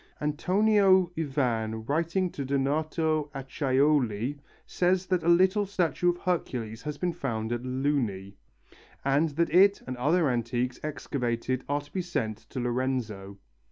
Antonio Yvane writing to Donato Acciaioli says that a little statue of Hercules has been found at Luni, and that it and other antiques excavated are to be sent to Lorenzo.